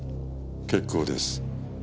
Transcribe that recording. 結構です。